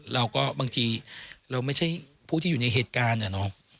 เราก็บางทีเราไม่ใช่ผู้ที่อยู่ในเหตุการณ์เนี่ยเนาะ